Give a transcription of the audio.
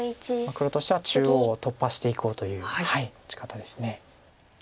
黒としては中央を突破していこうという打ち方です。